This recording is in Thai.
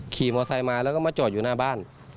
ขี่มอไซค์มาแล้วก็มาจอดอยู่หน้าบ้าน